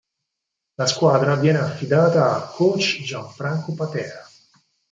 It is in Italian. La squadra viene affidata a Coach Gianfranco Patera.